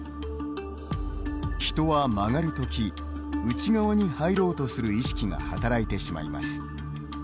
人は曲がるとき内側に入ろうとする意識が働いてしまいます。